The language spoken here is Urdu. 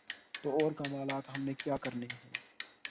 تو اور کمالات ہم نے کیا کرنے ہیں۔